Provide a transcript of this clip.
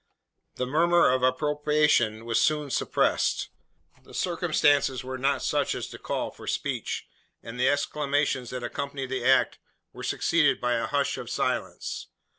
The murmur of approbation was soon suppressed. The circumstances were not such as to call for speech; and the exclamations that accompanied the act were succeeded by a hush of silence.